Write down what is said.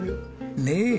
ねえ！